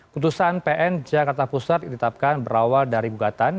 putusan pn jakarta pusat ditetapkan berawal dari gugatan